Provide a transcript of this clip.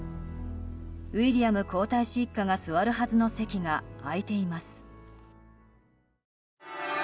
ウィリアム皇太子一家が座るはずの席が空いています。